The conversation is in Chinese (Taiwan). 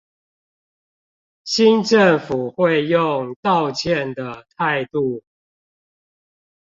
新政府會用道歉的態度